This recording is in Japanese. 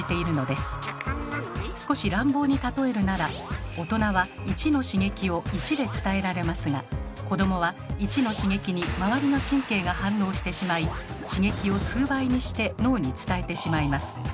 少し乱暴に例えるなら大人は１の刺激を１で伝えられますが子どもは１の刺激に周りの神経が反応してしまい刺激を数倍にして脳に伝えてしまいます。